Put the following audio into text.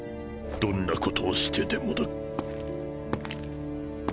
どんなことをしてでもだ。